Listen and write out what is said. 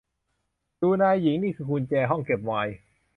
ดู นายหญิง นี่คือกุญแจห้องเก็บไวน์